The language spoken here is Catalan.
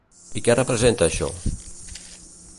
I què representa això?